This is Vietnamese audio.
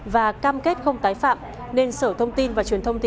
và cam kết không tái phạm